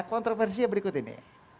kontroversinya berikut ini